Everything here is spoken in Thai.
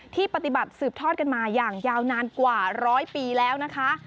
ที่ปฏิบัติสืบทอดกันมาอย่างยาวนานกว่าร้อยปีแล้วนะคะ